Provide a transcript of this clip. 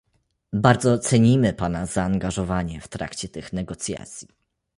Bardzo cenimy pana zaangażowanie w trakcie tych negocjacji